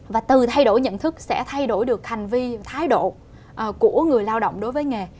và từ thay đổi nhận thức sẽ thay đổi được hành vi thái độ của người lao động đối với nghề